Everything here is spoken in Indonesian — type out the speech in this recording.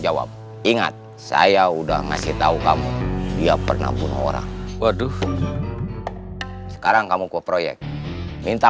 jawab ingat saya udah ngasih tahu kamu dia pernah bunuh orang aduh sekarang kamu ke proyek minta